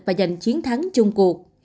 và giành chiến thắng chung cuộc